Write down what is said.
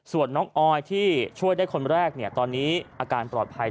ส่วนน้องออยที่ช่วยได้คนแรกตอนนี้อาการปลอดภัย